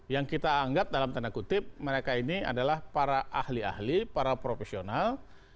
yang kita anggap dalam tanda kutip mereka ini adalah para ahli ahli para profesional